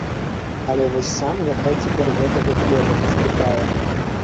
Але вось сам няхай цяпер гэтага хлеба паспытае.